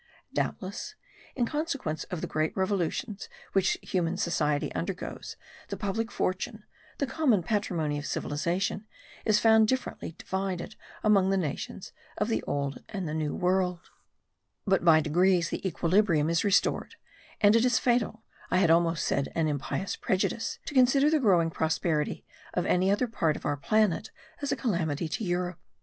Doubtless, in consequence of the great revolutions which human society undergoes, the public fortune, the common patrimony of civilization, is found differently divided among the nations of the old and the new world: but by degrees the equilibrium is restored; and it is a fatal, I had almost said an impious prejudice, to consider the growing prosperity of any other part of our planet as a calamity to Europe.